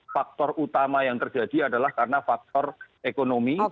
faktor utama yang terjadi adalah karena faktor ekonomi